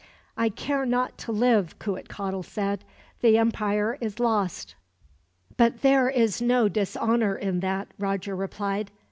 "I care not to live," Cuitcatl said. "The empire is lost." "But there is no dishonor in that," Roger replied.